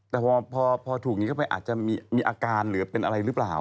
แต่พอถูกอย่างนี้เข้าไปอาจจะมีอาการหรือเป็นอะไรหรือเปล่า